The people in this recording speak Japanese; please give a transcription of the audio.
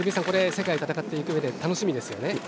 これ、世界を戦っていくうえで楽しみですよね。